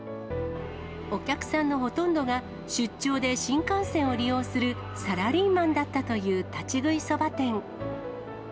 お客さんのほとんどが出張で新幹線を利用するサラリーマンだったという立ち食いそば店。